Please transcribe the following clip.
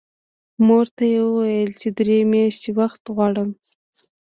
مور ته یې وویل چې درې میاشتې وخت غواړم